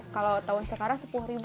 kalau tahun sekarang sepuluh